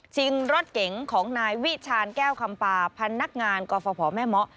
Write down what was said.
รถเก๋งของนายวิชาญแก้วคำปาพันนักงานกฟภแม่เมาะ